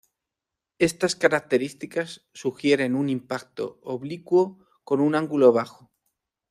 Estas características sugieren un impacto oblicuo con un ángulo bajo.